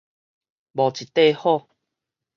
無一塊好